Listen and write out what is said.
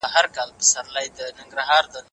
علمي مجله سمدستي نه لغوه کیږي.